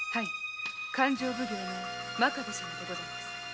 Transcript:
勘定奉行の真壁様でございます。